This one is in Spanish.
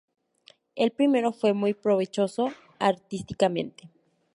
El primero fue muy provechoso artísticamente.